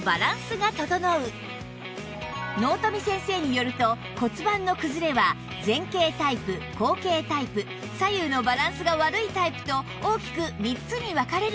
納富先生によると骨盤の崩れは前傾タイプ後傾タイプ左右のバランスが悪いタイプと大きく３つに分かれるといいます